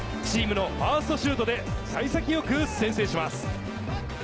チームのファーストシュートで幸先よく先制します。